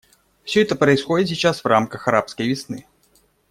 Все это происходит сейчас в рамках «арабской весны».